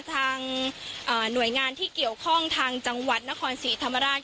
ทางหน่วยงานที่เกี่ยวข้องทางจังหวัดนครศรีธรรมราช